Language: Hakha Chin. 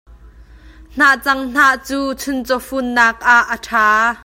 Hnahcang hnah cu chuncaw fun nak ah a ṭha.